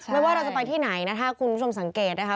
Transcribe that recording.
ไม่ว่าเราจะไปที่ไหนนะถ้าคุณผู้ชมสังเกตนะคะ